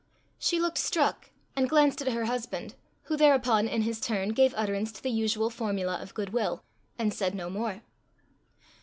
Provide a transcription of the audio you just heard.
She looked struck, and glanced at her husband, who thereupon, in his turn, gave utterance to the usual formula of goodwill, and said no more.